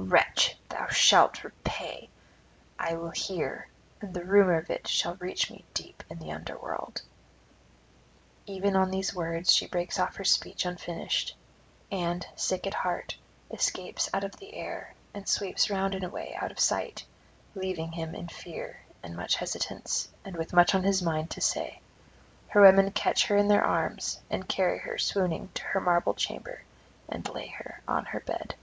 Wretch, thou shalt repay! I will hear; and the rumour of it shall reach me deep in the under world.' Even on these words she breaks off her speech unfinished, and, sick at heart, escapes out of the air and sweeps round and away out of sight, leaving him in fear and much hesitance, and with much on his mind to say. Her women catch her in their arms, and carry her swooning to her marble chamber and lay her on her bed.